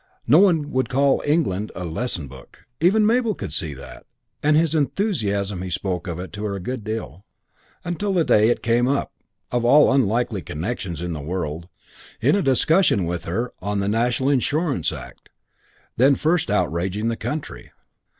No one would call "England" a lesson book. Even Mabel would see that; and in his enthusiasm he spoke of it to her a good deal, until the day when it came up of all unlikely connections in the world in a discussion with her on the National Insurance Act, then first outraging the country.